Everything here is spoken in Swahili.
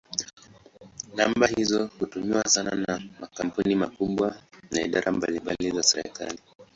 Namba hizo hutumiwa sana na makampuni makubwa na idara mbalimbali za serikali.